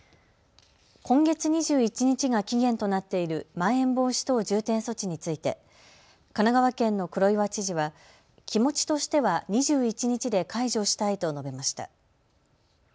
今月２１日が期限となっているまん延防止等重点措置について神奈川県の黒岩知事は気持ちとしては２１日で解除したいと述べました。